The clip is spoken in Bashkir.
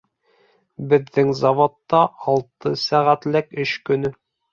Беҙҙең заводта алты сәғәтлек эш көнө